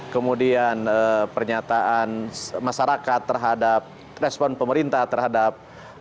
kemudian pernyataan masyarakat terhadap respon pemerintah terhadap